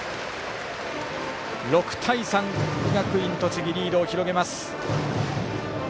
６対３、国学院栃木リードを広げます。